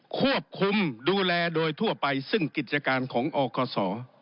ควบคุมดูแลโดยทั่วไปซึ่งกิจการของอกศ